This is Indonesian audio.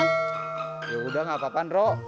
ya udah nggak apa apa nro